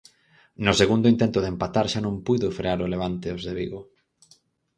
No segundo intento de empatar xa non puido frear o Levante aos de Vigo.